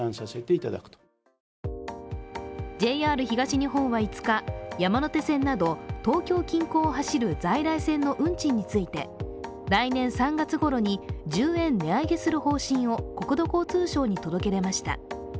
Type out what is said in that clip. ＪＲ東日本は５日、山手線など東京近郊を走る在来線の運賃について来年３月ごろに１０円値上げする方針を国土交通省に届け出ました。